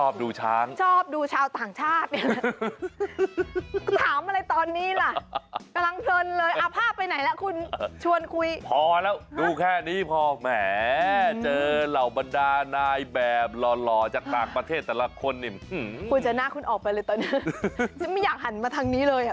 พูดจะน่าคุณออกไปเลยไม่อยากหันมาทางนี้เลย